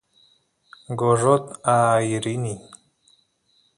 gorrot aay rini